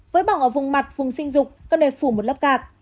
với bỏng ở vùng mặt vùng sinh dục cần phải phủ một lớp gạc